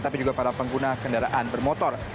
tapi juga para pengguna kendaraan bermotor